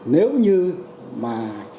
nếu như mà